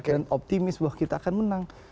dan optimis bahwa kita akan menang